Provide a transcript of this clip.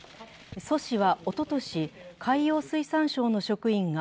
ソ氏はおととし、海洋水産省の職員が